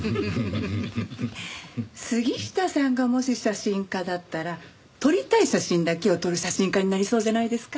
杉下さんがもし写真家だったら撮りたい写真だけを撮る写真家になりそうじゃないですか？